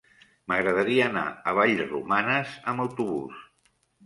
M'agradaria anar a Vallromanes amb autobús.